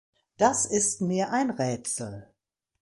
Das ist mir ein Rätsel.